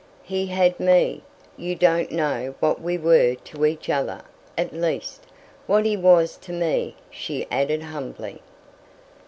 "He had me. You don't know what we were to each other at least, what he was to me," she added, humbly.